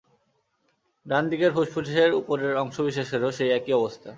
ডানদিকের ফুসফুসের উপরের অংশবিশেষেরও সেই একই অবস্থা।